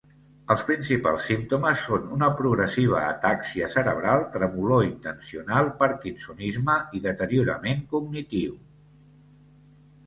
Els principals símptomes són una progressiva atàxia cerebral, tremolor intencional, parkinsonisme i deteriorament cognitiu.